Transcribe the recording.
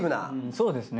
そうですね。